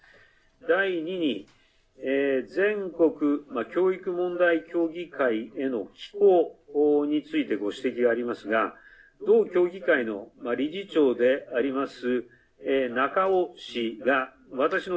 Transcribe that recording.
第２に全国教育問題協議会へのきこうについてご指摘がありますが同協議会の理事長であります